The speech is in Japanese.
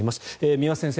三輪先生